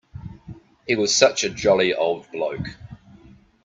He was such a jolly old bloke.